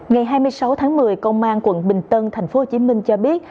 ngày hai mươi sáu tháng một mươi công an quận bình tân tp hcm cho biết